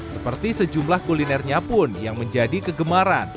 seperti sejumlah kulinernya pun yang menjadi kegemaran